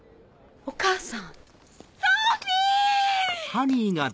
お母さん。